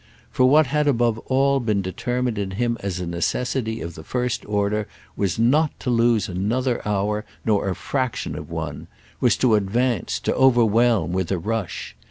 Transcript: For what had above all been determined in him as a necessity of the first order was not to lose another hour, nor a fraction of one; was to advance, to overwhelm, with a rush.